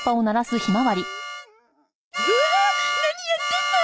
何やってんの！？